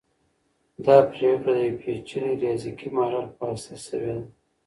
دا پریکړه د یو پیچلي ریاضیکي ماډل په واسطه شوې ده.